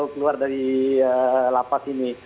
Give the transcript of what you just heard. keluar dari lapas ini